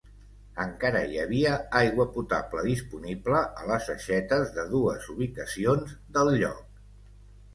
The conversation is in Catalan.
Encara hi havia aigua potable disponible a les aixetes de dues ubicacions del lloc.